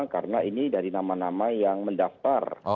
karena ini dari nama nama yang mendaftar